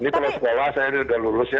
ini telur sekolah saya udah lulus ya